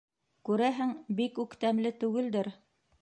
Күрәһең, бик үк тәмле түгелдер.